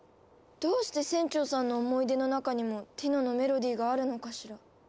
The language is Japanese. どうして船長さんの思い出の中にもティノのメロディーがあるのかしら？